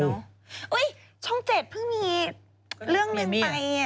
อุ๊ยช่องเจ็ดเพิ่งมีเรื่องหนึ่งไป